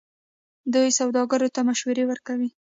دوی سوداګرو ته مشورې ورکوي.